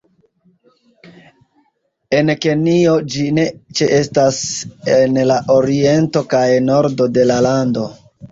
En Kenjo ĝi ne ĉeestas en la oriento kaj nordo de la lando.